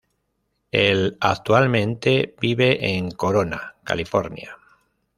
Él actualmente vive en Corona, California.